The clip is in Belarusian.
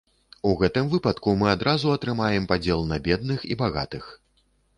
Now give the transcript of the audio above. У гэтым выпадку мы адразу атрымаем падзел на бедных і багатых.